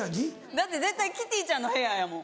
だって絶対キティちゃんの部屋やもん。